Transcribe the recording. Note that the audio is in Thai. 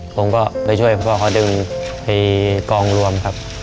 ผมก็ไปช่วยพ่อเขาดึงไปกองรวมครับ